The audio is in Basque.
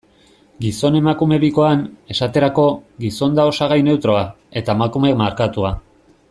Gizon-emakume bikoan, esaterako, gizon da osagai neutroa, eta emakume markatua.